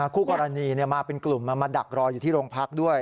คู่กรณีมาเป็นกลุ่มมาดักรออยู่ที่โรงพักด้วย